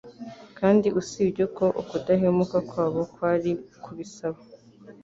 kandi usibye ko ukudahemuka kwabo kwari kubisaba,